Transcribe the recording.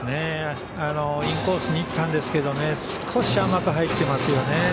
インコースにいったんですけど少し甘く入っていますよね。